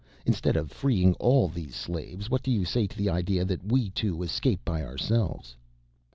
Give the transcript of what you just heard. Instead of freeing all these slaves what do you say to the idea that we two escape by ourselves?"